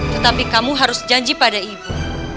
tetapi kamu harus janji pada ibu